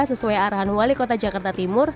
sesuai arahan wali kota jakarta timur